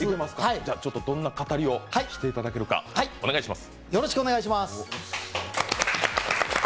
どんなかたりをしていただけるか、お願いします。